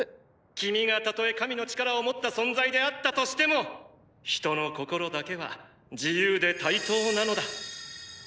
君がたとえ神の力を持った存在であったとしても人の心だけは自由で対等なのだ。